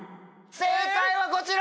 正解はこちら！